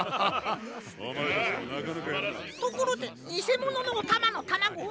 ところでにせもののおたまのタマゴは？